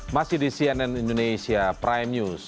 masih di cnn indonesia prime news